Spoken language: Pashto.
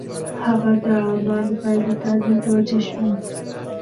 هغه د اعمالو پايلو ته متوجه و.